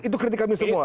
itu kritik kami semua